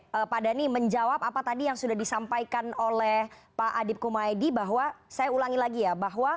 baik pak dhani menjawab apa tadi yang sudah disampaikan oleh pak adip kumaydi bahwa saya ulangi lagi ya bahwa